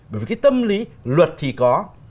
bởi vì cái tâm lý luật thì có